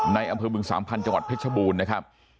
ในอำเภอบึงสามพันธ์จังหวัดเพชรบูรณ์นะครับ